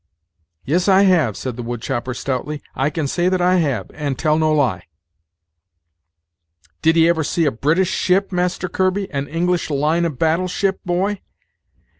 "Yes, I have," said the wood chopper stoutly; "I can say that I have, and tell no lie." "Did'ee ever see a British ship, Master Kirby? an English line of battle ship, boy?